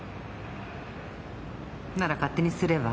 なら勝手にすれば？